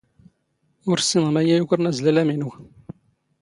ⵓⵔ ⵙⵙⵉⵏⵖ ⵎⴰ ⴰⴷ ⵉⵢⵉ ⵢⵓⴽⵔⵏ ⴰⵣⵍⴰⵍⴰⵎ ⵉⵏⵓ.